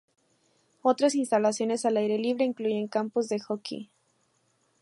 Otras instalaciones al aire libre incluyen campos de hockey.